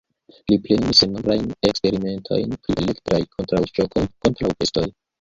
Li plenumis sennombrajn eksperimentojn pri elektraj kontraŭŝokoj kontraŭ bestoj.